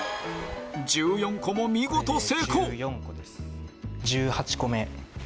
１４個も見事成功！